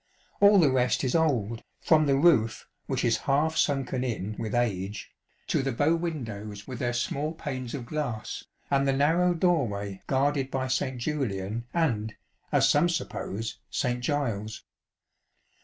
All the rest is old, from the roof which is half sunken in with age, to the bow windows with their small panes of glass, and the narrow doorway guarded by St. Julian and, as some suppose, St. Giles.